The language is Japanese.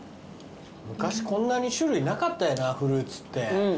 昔こんなに種類なかったよなフルーツって。